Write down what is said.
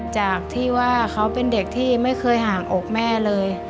จากที่ว่าเขาเป็นเด็กที่ไม่เคยห่างอกแม่เลย